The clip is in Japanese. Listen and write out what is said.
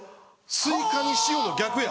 スイカに塩の逆や。